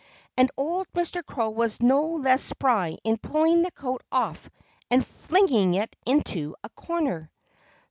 And old Mr. Crow was no less spry in pulling the coat off and flinging it into a corner.